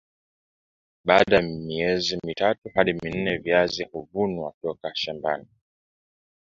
Baada ya miezi mitatu hadi minne viazi hhunwa toka shambani